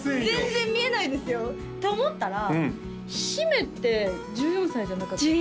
全然見えないですよと思ったら姫って１４歳じゃなかった？